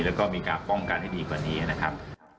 แล้วก็มีการป้องกันให้ดีกว่านี้นะครับ